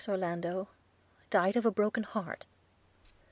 Orlando, died of a broken heart!